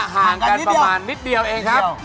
ห่างกันประมาณนิดเดียวเองครับ